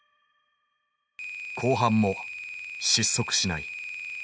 後半も失速しない。